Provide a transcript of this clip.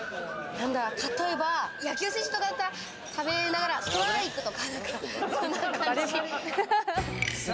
例えば野球選手とかだったら、食べながらストライクとか。